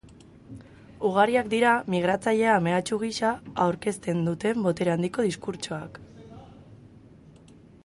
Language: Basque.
Ugariak dira migratzailea mehatxu gisa aurkezten duten botere handiko diskurtsoak.